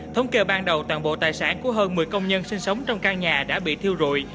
thống kê ban đầu toàn bộ tài sản của hơn một mươi công nhân sinh sống trong căn nhà đã bị thiêu rụi